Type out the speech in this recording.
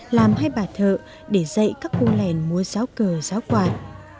làm hai bà thợ để dạy các cô lèn múa giáo cờ giáo quạt